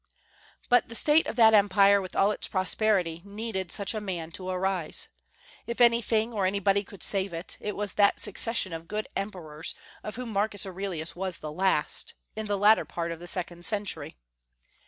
But the state of that Empire, with all its prosperity, needed such a man to arise. If anything or anybody could save it, it was that succession of good emperors of whom Marcus Aurelius was the last, in the latter part of the second century.